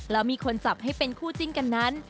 แล้วมีคนจับให้เป็นคู่จิ้นกันนั้น